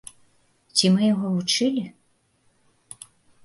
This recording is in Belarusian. Ці мы яго вучылі?